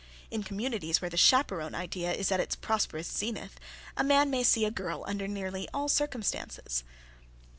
In communities where the chaperone idea is at its prosperous zenith, a man may see a girl under nearly all circumstances.